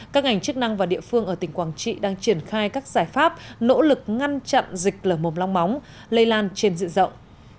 các ngành chức năng và địa phương ở tỉnh quảng trị đang triển khai các giải pháp nỗ lực ngăn chặn dịch lở mồm long móng lây lan trên diện rộng